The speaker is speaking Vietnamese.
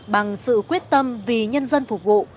bằng sự quyết tâm vì nhân dân phục vụ